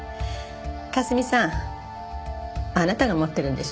香澄さんあなたが持ってるんでしょ？